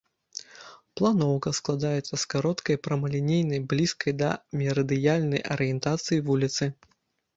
Планоўка складаецца з кароткай прамалінейнай, блізкай да мерыдыянальнай арыентацыі вуліцы.